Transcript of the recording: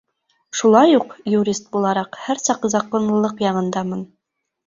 Шулай уҡ, юрист булараҡ, һәр саҡ законлылыҡ яғындамын.